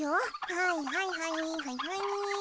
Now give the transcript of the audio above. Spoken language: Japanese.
はいはいはいはいはい。